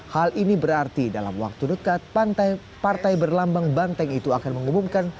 hal ini berarti dalam waktu dekat partai berlambang banteng itu akan mengumumkan